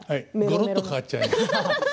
ごろっと変わっちゃいます。